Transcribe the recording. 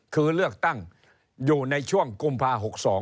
คือเลือกตั้งอยู่ในช่วงกุมภา๖๒